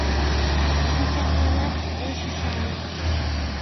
Шинчажланат ыш ӱшане.